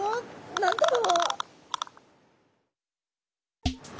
何だろう。